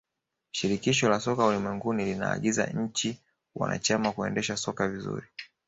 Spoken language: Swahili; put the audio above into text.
shirikisho la soka ulimwenguni linaagiza nchi wanachama kuendesha soka vizuri